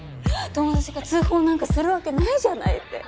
「友達が通報なんかするわけないじゃない」って。